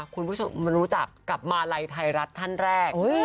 คุณผู้ชมรู้จักกับมาลัยไทยรัฐท่านแรก